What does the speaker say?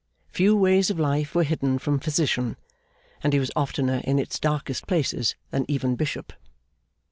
Few ways of life were hidden from Physician, and he was oftener in its darkest places than even Bishop.